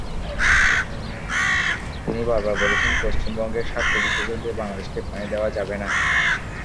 তিনি বারবার বলেছেন, পশ্চিমবঙ্গের স্বার্থ বিসর্জন দিয়ে বাংলাদেশকে পানি দেওয়া যাবে না।